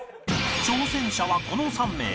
挑戦者はこの３名